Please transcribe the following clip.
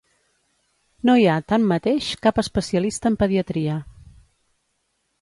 No hi ha, tanmateix, cap especialista en pediatria.